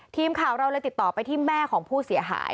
ทีมข่าวเราเลยติดต่อไปที่แม่ของผู้เสียหาย